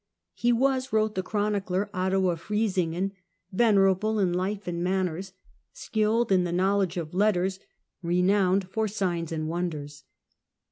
" He was,'' wrote the chronicler Otto of Freisingen, "venerable in life and manners, skilled in the knowledge of letters, renowned for signs and wonders."